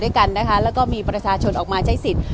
ด้วยกันนะคะแล้วก็มีประชาชนออกมาใช้สิทธิ์